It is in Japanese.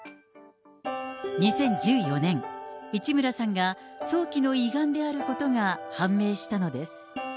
２０１４年、市村さんが早期の胃がんであることが判明したのです。